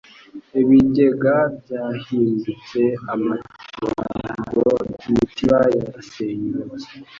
ibigega byahindutse amatongo imitiba yarasenyutse